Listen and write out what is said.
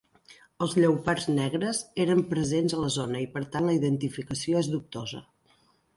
Els lleopards negres eren presents a la zona i per tant la identificació és dubtosa.